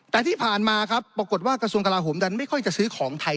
แต่ที่ผ่านมาครับปรากฏว่ากระทรวงกลาโหมดันไม่ค่อยจะซื้อของไทย